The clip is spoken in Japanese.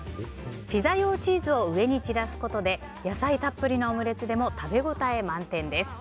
ピザ用チーズを上に散らすことで野菜たっぷりのオムレツでも食べ応え満点です。